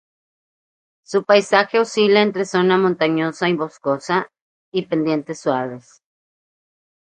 Su paisaje oscila entre zona montañosa y boscosa y pendientes suaves.